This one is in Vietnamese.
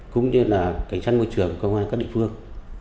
cũng như là cảnh sát môi trường công an các địa phương